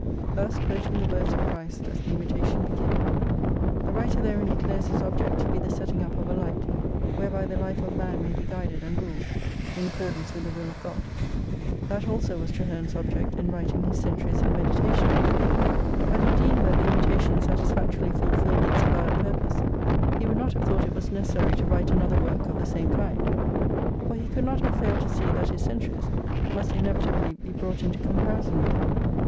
Thus, quoting the words of Christ, does the "Imitation" begin. The writer therein declares his object to be the setting up of a Light whereby the life of man may be guided and ruled in accordance with the will of God. That also was Traherne's object in writing his " Centuries of Meditations." Had he deemed that the "Imitation" satisfactorily fulfilled its avowed purpose he would not have thought it was necessary to write another work of the same kind ; for he could not have failed to see that his " Centuries " must inevitably be brought into comparison with it.